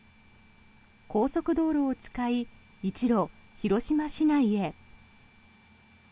高速道路を使い一路、広島市内へ。